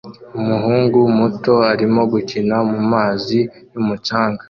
Umuhungu muto arimo gukina mumazi yumucanga